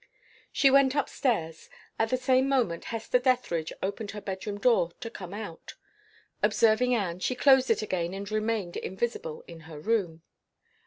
She went up stairs. At the same moment Hester Dethridge opened her bedroom door to come out. Observing Anne, she closed it again and remained invisible in her room.